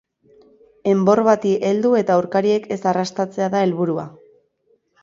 Enbor bati heldu eta aurkariek ez arrastatzea da helburua.